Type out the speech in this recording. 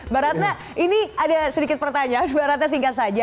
mbak ratna ini ada sedikit pertanyaan mbak ratna singkat saja